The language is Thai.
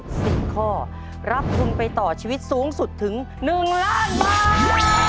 ได้ถูก๑๐ข้อรับคุณไปต่อชีวิตสูงสุดถึง๑ล้านบาท